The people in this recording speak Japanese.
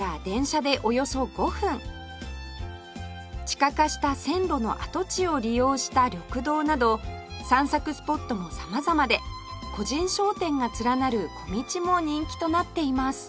地下化した線路の跡地を利用した緑道など散策スポットも様々で個人商店が連なる小道も人気となっています